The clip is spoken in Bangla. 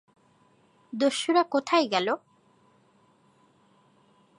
দস্যুরা কোথায় গেলো?